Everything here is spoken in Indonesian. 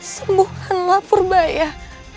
sembuhan lapor bayah